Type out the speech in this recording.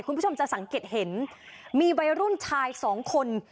คุณผู้ชมจะสังเกตเห็นมีวัยรุ่นชายสองคน